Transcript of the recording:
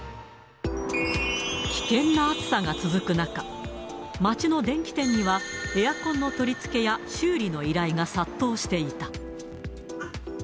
危険な暑さが続く中、街の電器店には、エアコンの取り付けや修理の依頼が殺到していた。